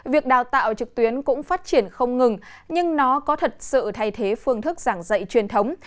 việc đào tạo trực tuyến cũng phát triển không ngừng nhưng nó có thật sự thay thế phương thức giảng dạy truyền thống